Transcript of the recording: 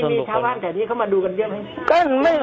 แล้วมีชาวอ้านแถวนี้เขามาดูกันอย่างไร